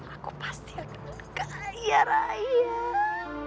aku pasti akan kaya raya